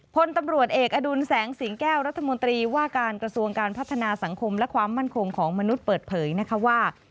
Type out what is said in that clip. พลตำรวจเอกอดุลแสงสิงแก้วรัฐมนตรีว่าการกระทรวงการพัฒนาสังคมและความมั่นคงของมนุษย์เปิดเผยนะคะว่า